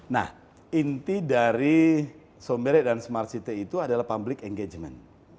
nah inti dari sombere dan smart city itu adalah public engagement